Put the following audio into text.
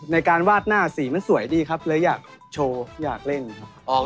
ในการวาดหน้าสีมันสวยดีครับเลยอยากโชว์อยากเล่นครับ